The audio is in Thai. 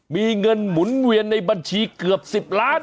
มีเงินหมุนเวียนในบัญชีเกือบ๑๐ล้าน